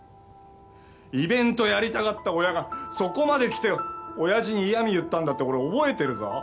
イベントやりたかった親がそこまで来ておやじに嫌み言ったのだって俺覚えてるぞ。